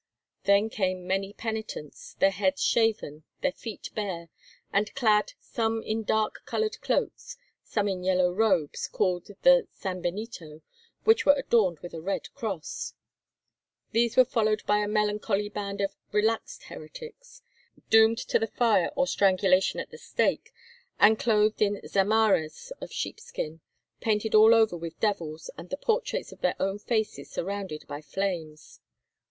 Then came many penitents, their heads shaven, their feet bare, and clad, some in dark coloured cloaks, some in yellow robes, called the sanbenito, which were adorned with a red cross. These were followed by a melancholy band of "relaxed" heretics, doomed to the fire or strangulation at the stake, and clothed in zamarras of sheepskin, painted all over with devils and the portraits of their own faces surrounded by flames.